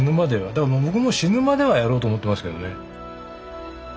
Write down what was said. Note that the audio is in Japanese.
だから僕も死ぬまではやろうと思ってますけどね。